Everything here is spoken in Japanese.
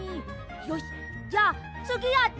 よしじゃあつぎやって！